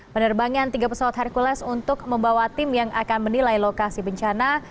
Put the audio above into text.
penerbangan tiga pesawat hercules untuk membawa tim yang akan menilai lokasi bencana